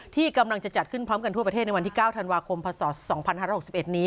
ที่กำลังจะจัดขึ้นพร้อมกันทั่วประเทศในวันที่เก้าธันวาคมภาษาสองพันธาลกสิบเอ็ดนี้